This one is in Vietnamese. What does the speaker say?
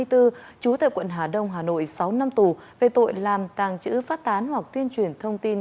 trú tại quận hà đông hà nội sáu năm tù về tội làm tàng trữ phát tán hoặc tuyên truyền thông tin